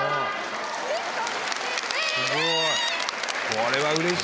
これはうれしいよ！